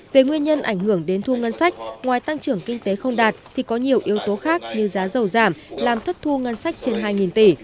về nguyên nhân ảnh hưởng đến thu ngân sách ngoài tăng trưởng kinh tế không đạt thì có nhiều yếu tố khác như giá dầu giảm làm thất thu ngân sách trên hai tỷ